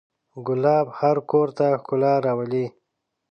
ګلاب هر کور ته ښکلا راولي.